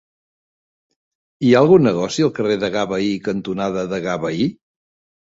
Hi ha algun negoci al carrer Degà Bahí cantonada Degà Bahí?